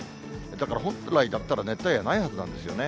だから本来だったら熱帯夜、ないはずなんですよね。